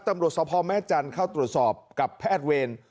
ตำรวจสภแม่จันทร์เข้าตรวจสอบกับแพทย์เวร